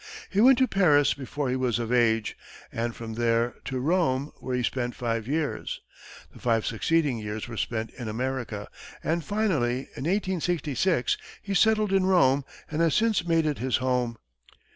He went to Paris before he was of age, and from there to Rome, where he spent five years. The five succeeding years were spent in America, and finally, in 1866, he settled in Rome and has since made it his home.